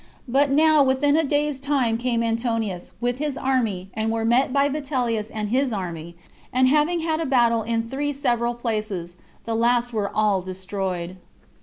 But now within a day's time came Antonius, with his army, and were met by Vitellius and his army; and having had a battle in three several places, the last were all destroyed.